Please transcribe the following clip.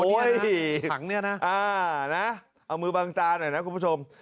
ถังเนี่ยนะเอามือบางตาหน่อยนะคุณผู้ชม